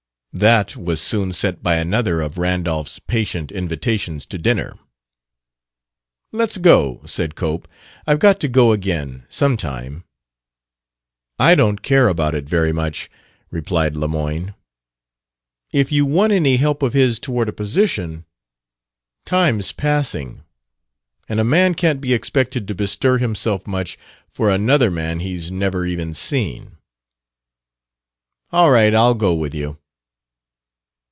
That was soon set by another of Randolph's patient invitations to dinner. "Let's go," said Cope; "I've got to go again sometime." "I don't care about it, very much," replied Lemoyne. "If you want any help of his toward a position.... Time's passing. And a man can't be expected to bestir himself much for another man he's never even seen." "All right. I'll go with you."